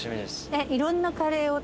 いろんなカレーを。